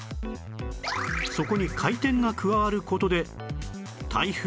そこに回転が加わる事で台風になるんです